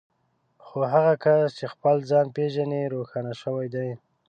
خو هغه کس چې خپل ځان پېژني روښانه شوی دی.